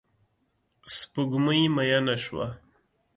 سپوږمۍ میینه شوه